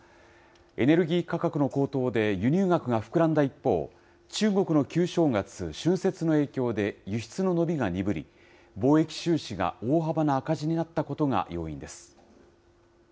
エネルギー価格の高騰で、輸入額が膨らんだ一方、中国の旧正月、春節の影響で、輸出の伸びが鈍り、貿易収支が大幅な赤字になったことが要因です。